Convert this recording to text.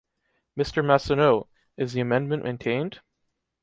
Mrs. Massonneau, is the amendment maintained?